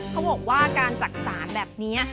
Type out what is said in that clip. เขาบอกว่าการจักษานแบบนี้